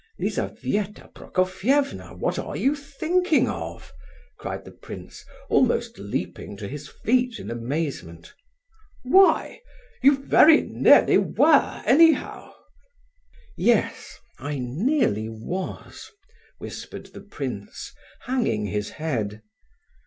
"Lizabetha Prokofievna, what are you thinking of?" cried the prince, almost leaping to his feet in amazement. "Why? You very nearly were, anyhow." "Yes—I nearly was," whispered the prince, hanging his head.